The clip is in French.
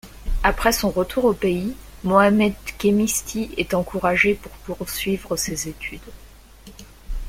Après son retour au pays, Mohammed Khémisti est encouragé pour poursuivre ses études.